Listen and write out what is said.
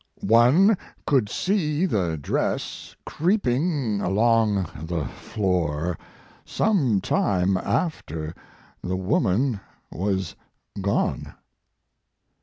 "One could see the dress creeping along the floor some time after the woman was gone."